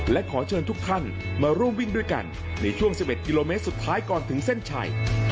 และขอเชิญทุกท่านมาร่วมวิ่งด้วยกันในช่วง๑๑กิโลเมตรสุดท้ายก่อนถึงเส้นชัย